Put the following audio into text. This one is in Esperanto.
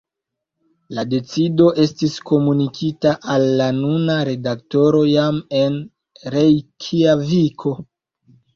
La decido estis komunikita al la nuna redaktoro jam en Rejkjaviko.